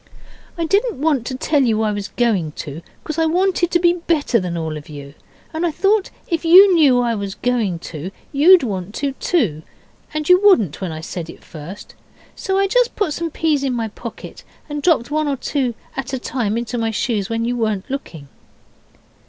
'I didn't want to tell you I was going to, because I wanted to be better than all of you, and I thought if you knew I was going to you'd want to too, and you wouldn't when I said it first. So I just put some peas in my pocket and dropped one or two at a time into my shoes when you weren't looking.